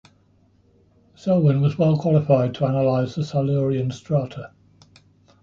Selwyn was well qualified to analyse the Silurian strata.